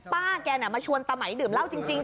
ป้าแกมาชวนตะไหมตื่มเล่าจริง